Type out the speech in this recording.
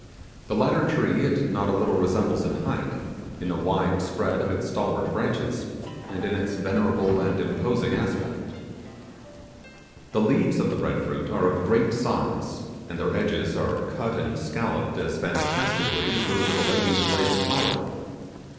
The latter tree it not a little resembles in height, in the wide spread of its stalwart branches, and in its venerable and imposing aspect. The leaves of the bread fruit are of great size, and their edges are cut and scolloped as fantastically as those of a lady's lace collar.